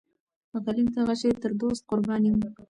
غلیم ته غشی تر دوست قربان یم.